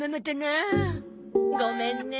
ごめんね。